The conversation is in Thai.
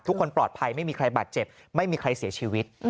ทุกคนปลอดภัยไม่มีใครบาดเจ็บไม่มีใครเสียชีวิต